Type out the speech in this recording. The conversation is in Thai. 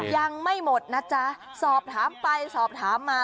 ยังไม่หมดนะจ๊ะสอบถามไปสอบถามมา